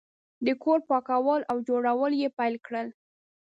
د کور پاکول او جوړول یې پیل کړل.